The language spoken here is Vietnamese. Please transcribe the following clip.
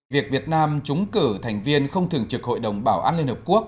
việc việt nam trúng cử thành viên không thường trực hội đồng bảo an liên hợp quốc